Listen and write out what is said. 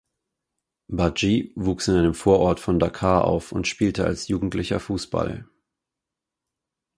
Badji wuchs in einem Vorort von Dakar auf und spielte als Jugendlicher Fußball.